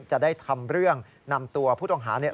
จะได้ทำเรื่องนำตัวผู้ต้องหาเนี่ย